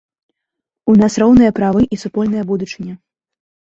У нас роўныя правы і супольная будучыня.